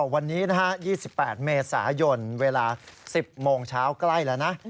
วันนี้๒๘เมษายนเวลา๑๐โมงเช้าใกล้แล้วนะ